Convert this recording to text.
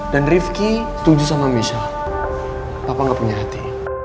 dan rifki setuju sama michelle papa gak punya hati